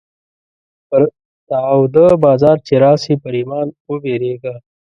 پر تا وده بازار چې راسې ، پر ايمان وبيرېږه.